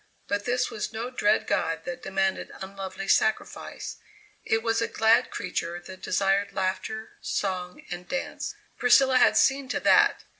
But this was no dread god that demanded unlovely sacrifice. It was a glad creature that desired laughter, song, and dance. Priscilla had seen to that.